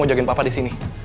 aku mau jagain papa disini